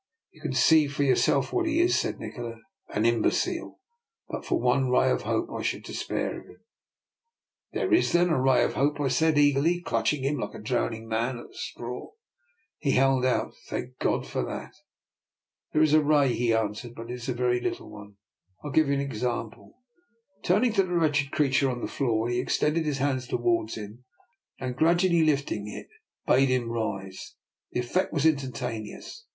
" You can see for yourself what he is," said Nikola: "an imbecile; but for one ray of hope I should despair of him." " There is, then, a ray of hope," I said eagerly, clutching like a drowning man at the straw he held out. " Thank God for that! "" There is a ray," he answered, *' but it is a very little one. I will give you an example." Turning to the wretched creature on the floor, he extended his hand towards him, and, gradually lifting it, bade him rise. The effect was instantaneous.